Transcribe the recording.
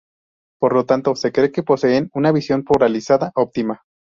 Por lo tanto, se cree que poseen una visión polarizada óptima.